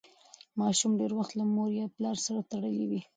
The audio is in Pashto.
ماشوم ډېر وخت له مور یا پلار سره تړلی وي.